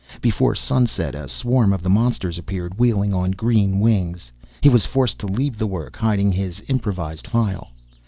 Before sunset, a swarm of the monsters appeared, wheeling on green wings. He was forced to leave the work, hiding his improvised file.